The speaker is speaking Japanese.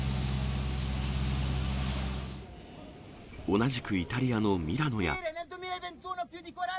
同じくイタリアのミラノや。